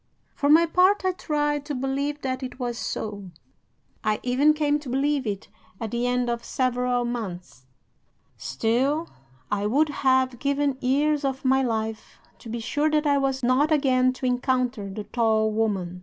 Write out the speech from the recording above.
"'For my part, I tried to believe that it was so. I even came to believe it at the end of several months. Still, I would have given years of my life to be sure that I was not again to encounter the tall woman.